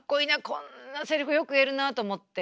こんなセリフよく言えるな」と思って。